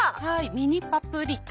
ミニパプリカ。